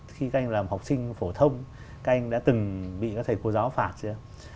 khi các anh làm học sinh phổ thông các anh đã từng bị các thầy cô giáo phạt chưa ạ